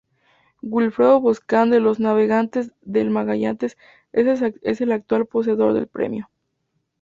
Wilfredo Boscán de los Navegantes del Magallanes es el actual poseedor del premio.